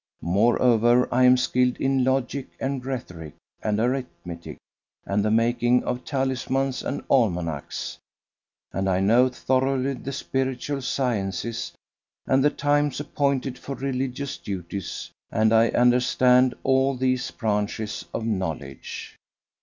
Moreover I am skilled in logic and rhetoric and arithmetic and the making of talismans and almanacs, and I know thoroughly the Spiritual Sciences[FN#257] and the times appointed for religious duties and I understand all these branches of knowledge."